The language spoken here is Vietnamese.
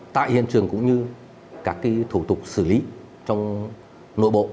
tại hiện trường cũng như các thủ tục xử lý trong nội bộ